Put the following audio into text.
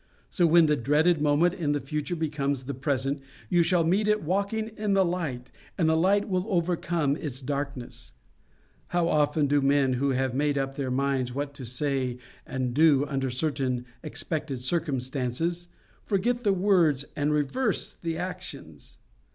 So when the dreaded moment in the future becomes the present, you shall meet it walking in the light, and that light will overcome its darkness. How often do men who have made up their minds what to say and do under certain expected circumstances, forget the words and reverse the actions!